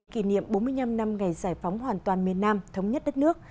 kỷ niệm bốn mươi năm năm ngày giải phóng hoàn toàn miền nam thống nhất đất nước